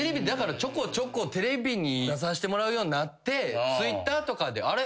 ちょこちょこテレビに出させてもらうようになってＴｗｉｔｔｅｒとかで「あれ？